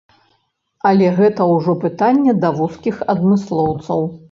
Але гэта ўжо пытанне да вузкіх адмыслоўцаў.